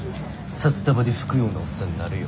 札束で拭くようなおっさんになるよ。